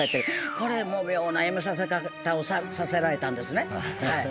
これも妙な辞めさせ方をさせられたんですね。